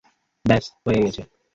ব্যস, হয়ে গেছে।